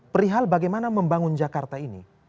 perihal bagaimana membangun jakarta ini